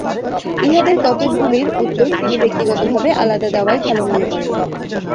ইহাদের কতকগুলির উত্তর তিনি ব্যক্তিগতভাবে আলাদা দেওয়াই ভাল মনে করেন।